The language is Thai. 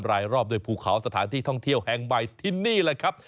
รายรอบด้วยภูเขาสถานที่ท่องเที่ยวแห่งใหม่ที่นี่แหละครับ